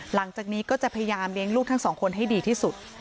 หลังจากนี้ก็จะพยายามเลี้ยงลูกทั้งสองคนให้ดีที่สุด